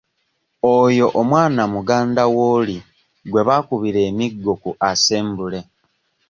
Oyo omwana muganda w'oli gwe baakubira emiggo ku assembly.